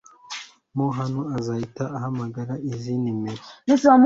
mo hano uzahite uhamagara izi nimero